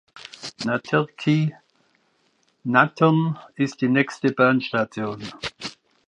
Naterki "(Nattern)" ist die nächste Bahnstation.